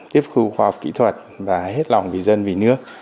tiếp khu khoa học kỹ thuật và hết lòng vì dân vì nước